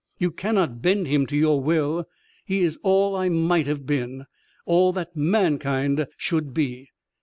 You cannot bend him to your will. He is all I might have been. All that mankind should be."